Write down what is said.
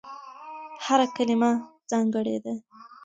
هره کلمه ځانګړې ده.